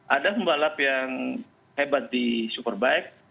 ada pembalap yang hebat di superbike